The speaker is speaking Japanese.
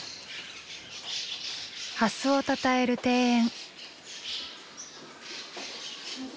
蓮をたたえる庭園。